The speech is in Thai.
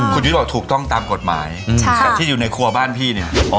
คุณยุ้ยบอกถูกต้องตามกฎหมายแต่ที่อยู่ในครัวบ้านพี่เนี่ย